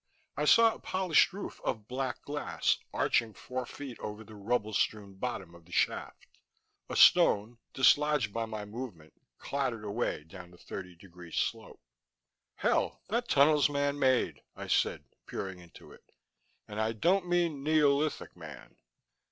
I saw a polished roof of black glass arching four feet over the rubble strewn bottom of the shaft. A stone, dislodged by my movement, clattered away down the 30 slope. "Hell, that tunnel's man made," I said, peering into it. "And I don't mean neolithic man."